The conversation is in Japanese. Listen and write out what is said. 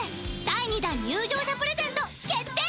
第２弾入場者プレゼント決定！